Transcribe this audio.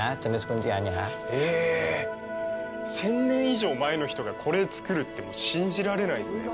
１０００年以上前の人がこれ造るって信じられないですね。